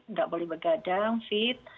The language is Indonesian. nggak boleh begadang fit